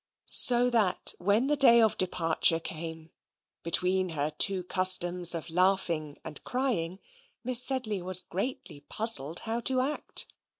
So that when the day of departure came, between her two customs of laughing and crying, Miss Sedley was greatly puzzled how to act.